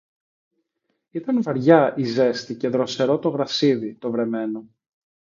Ήταν βαριά η ζέστη και δροσερό το γρασίδι το βρεμένο.